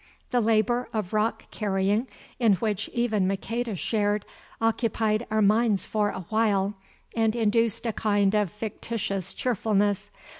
The labour of rock carrying, in which even Maqueda shared, occupied our minds for awhile, and induced a kind of fictitious cheerfulness.